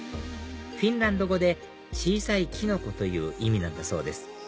フィンランド語で小さいキノコという意味なんだそうです